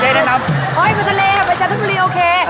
ไปทะเลไปจันทบุรีโอเค